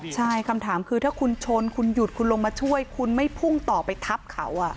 ใช่คำถามคือถ้าคุณชนคุณหยุดคุณลงมาช่วยคุณไม่พุ่งต่อไปทับเขา